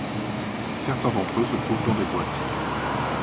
Certains d'entre eux se trouvent dans des boîtes.